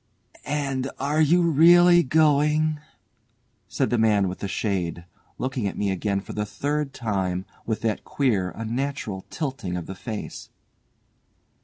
"And are you really going?" said the man with the shade, looking at me again for the third time, with that queer, unnatural tilting of the face.